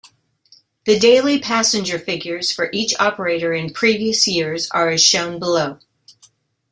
The daily passenger figures for each operator in previous years are as shown below.